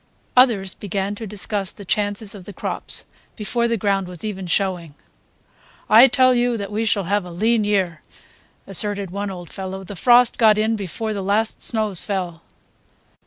Others began to discuss the chances of the crops, before the ground was even showing. "I tell you that we shall have a lean year," asserted one old fellow, "the frost got in before the last snows fell."